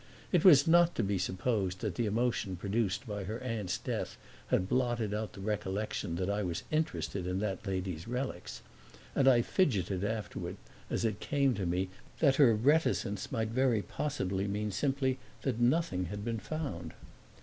It was not to be supposed that the emotion produced by her aunt's death had blotted out the recollection that I was interested in that lady's relics, and I fidgeted afterward as it came to me that her reticence might very possibly mean simply that nothing had been found.